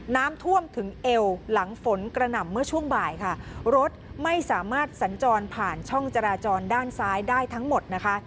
น้ำท่วมถึงเอวหลังฝนกระหน่ำเมื่อช่วงบ่ายค่ะรถไม่สามารถสัญจรผ่านช่องจราจรด้านซ้ายได้ทั้งหมดนะคะ